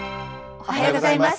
おはようございます。